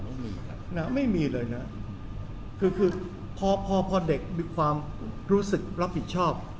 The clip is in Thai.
มันมีน่ะไม่มีเลยน่ะคือคือพ่อพ่อพ่อเด็กมีความรู้สึกรับผิดชอบ